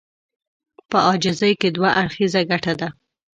په عاجزي کې دوه اړخيزه ګټه ده.